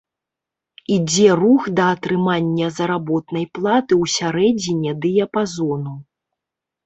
Ідзе рух да атрымання заработнай платы ў сярэдзіне дыяпазону.